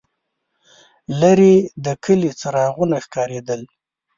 لرې د کلي څراغونه ښکارېدل.